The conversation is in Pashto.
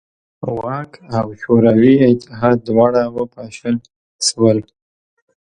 واک او شوروي اتحاد دواړه وپاشل شول.